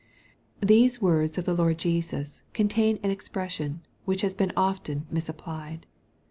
Thesb words of the Lord Jesns contain an expression which has been often misapplied.